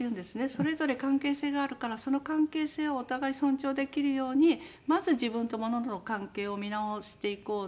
それぞれ関係性があるからその関係性をお互い尊重できるようにまず自分と物との関係を見直していこうねって